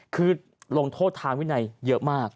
คือลงโทษทางวินัยเยอะมาก